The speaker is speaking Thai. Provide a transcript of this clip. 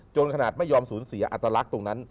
ขนาดไม่ยอมสูญเสียอัตลักษณ์ตรงนั้น